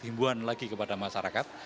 himbuan lagi kepada masyarakat